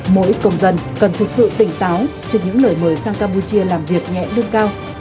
mỗi công dân cần thực sự tỉnh táo trước những lời mời sang campuchia làm việc nhẹ lương cao